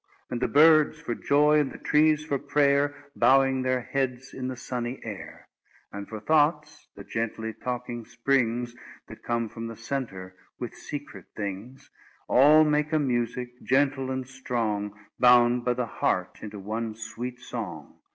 And the birds for joy, and the trees for prayer, Bowing their heads in the sunny air, And for thoughts, the gently talking springs, That come from the centre with secret things— All make a music, gentle and strong, Bound by the heart into one sweet song.